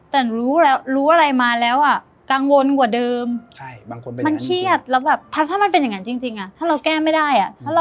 แต่รู้อะไรมาแล้วกังวลกว่าเดิมมันเครียดถ้ามันเป็นอย่างนั้นจริงถ้าเราแก้ไม่ได้